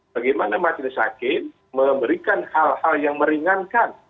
bagaimana majelis hakim memberikan hal hal yang meringankan